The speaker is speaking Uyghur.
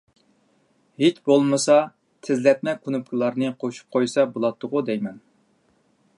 ھېچ بولمىسا، تېزلەتمە كۇنۇپكىلارنى قوشۇپ قويسا بولاتتىغۇ دەيمەن.